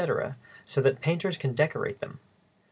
so that painters can decorate them.